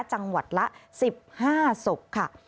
จังหวัดละ๑๕ศพค่ะ